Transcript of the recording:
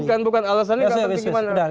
bukan bukan alasannya nggak penting gimana